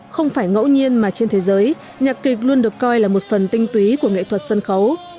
không phải ngẫu nhiên mà trên thế giới nhạc kịch luôn được coi là một phần tinh túy của nghệ thuật sân khấu